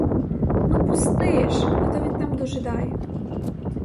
Ну, пусти ж, а то він там дожидає.